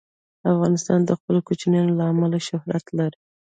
افغانستان د خپلو کوچیانو له امله شهرت لري.